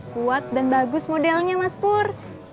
kuat dan bagus modelnya mas pur